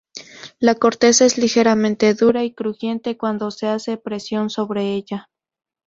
La corteza es ligeramente dura y crujiente cuando se hace presión sobre ella.